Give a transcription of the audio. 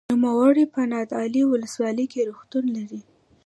نوموړی په نادعلي ولسوالۍ کې روغتون لري.